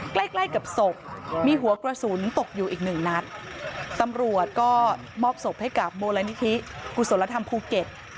ใกล้ใกล้กับศพมีหัวกระสุนตกอยู่อีกหนึ่งนัดตำรวจก็มอบศพให้กับมูลนิธิกุศลธรรมภูเก็ต